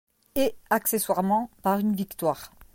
Et accessoirement par une victoire.